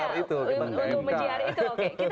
untuk menjiar itu